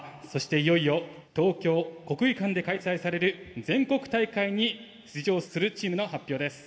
いよいよ東京国技館で開催される全国大会に出場するチームの発表です。